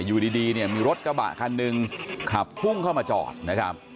อยู่ดีเนี่ยมีรถกระบะคันหนึ่งขับพุ่งเข้ามาจอดนะครับ